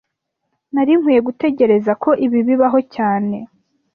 Nari nkwiye gutegereza ko ibi bibaho cyane